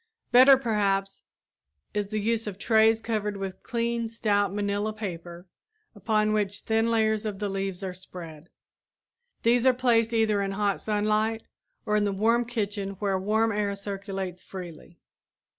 Better, perhaps, is the use of trays covered with clean, stout manilla paper upon which thin layers of the leaves are spread. These are placed either in hot sunlight or in the warm kitchen where warm air circulates freely.